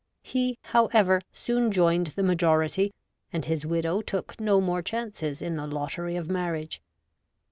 He, however, soon joined the majority, and his widow took no more chances in the lottery of marriage.